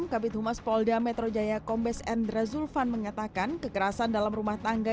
kabit humas polda metro jaya kombes endra zulfan mengatakan kekerasan dalam rumah tangga